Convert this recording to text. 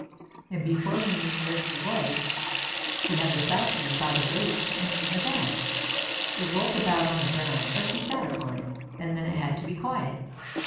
" And before he knew where he was she had the Southwind by the waist and in the bag; it rolled about on the ground, but she sat upon it and then it had to be quiet.